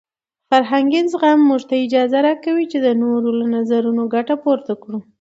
فرهنګي زغم موږ ته اجازه راکوي چې د نورو له نظرونو ګټه پورته کړو.